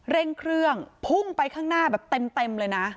เร่งเครื่องพุ่งไปข้างหน้าแบบเต็มเลยนะ